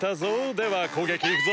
ではこうげきいくぞ！